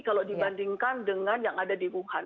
kalau dibandingkan dengan yang ada di wuhan